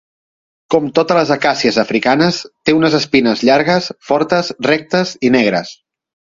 Com totes les acàcies africanes, té unes espines llargues, fortes, rectes i negres.